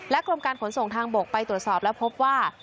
กรมการขนส่งทางบกไปตรวจสอบและพบว่า